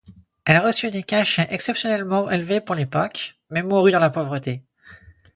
Elle reçut des cachets exceptionnellement élevés pour l'époque, mais mourut dans la pauvreté.